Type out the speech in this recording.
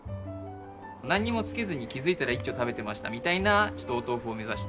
何もつけずに気づいたら１丁食べてましたみたいなお豆腐を目指して。